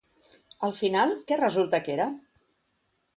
Al final, què resulta que era?